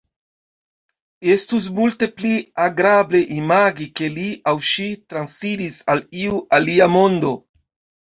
Estus multe pli agrable imagi, ke li aŭ ŝi transiris al iu alia mondo.